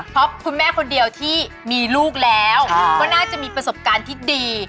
เพราะคุณแม่คนเดียวที่มีลูกแล้วก็น่าจะมีประสบการณ์ที่ดี